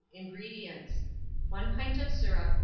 INGREDIENTS. 1 pint of syrup No.